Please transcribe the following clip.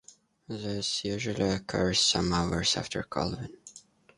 This usually occurs some hours after calving.